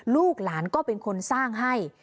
ลูกหลานก็เป็นคนสร้างให้